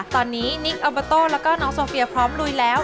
ตอนนี้นิกอัลเบอร์โต้แล้วก็น้องโซเฟียพร้อมลุยแล้ว